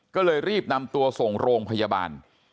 ก็เลยรีบนำตัวส่งโรงพยาบาล